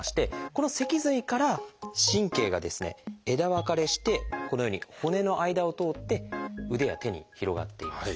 この脊髄から神経がですね枝分かれしてこのように骨の間を通って腕や手に広がっています。